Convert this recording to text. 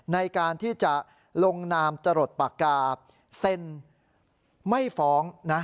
ในการที่จะลงนามจรดปากกาเซ็นไม่ฟ้องนะ